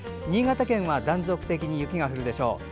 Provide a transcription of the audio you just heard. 新潟県は断続的に雪が降るでしょう。